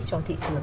cho thị trường